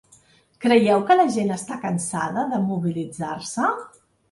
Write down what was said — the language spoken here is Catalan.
Creieu que la gent està cansada de mobilitzar-se?